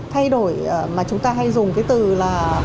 thay đổi mà chúng ta hay dùng cái từ là